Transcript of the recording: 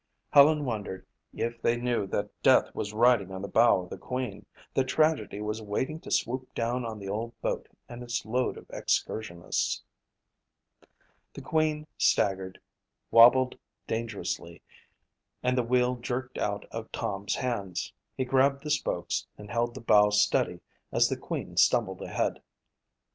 Helen wondered if they knew that death was riding on the bow of the Queen, that tragedy was waiting to swoop down on the old boat and its load of excursionists. The Queen staggered, wabbled dangerously, and the wheel jerked out of Tom's hands. He grabbed the spokes and held the bow steady as the Queen stumbled ahead.